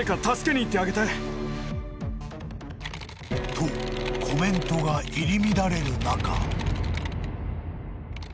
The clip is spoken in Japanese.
［とコメントが入り乱れる中］